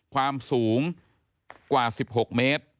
ความสูงกว่า๑๖เมตร